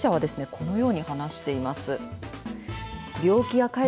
このように話しています。